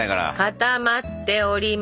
固まっております。